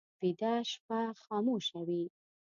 ویده شپه خاموشه وي